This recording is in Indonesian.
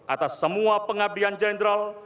atas semua pengabdian jenderal